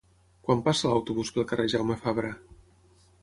Quan passa l'autobús pel carrer Jaume Fabra?